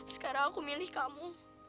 sekarang aku milih kamu